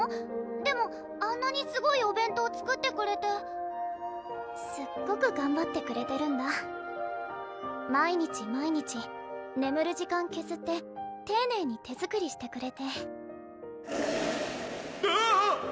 でもあんなにすごいお弁当作ってくれてすっごくがんばってくれてるんだ毎日毎日ねむる時間けずって丁寧に手作りしてくれてあぁ！